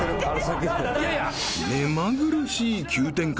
［目まぐるしい急展開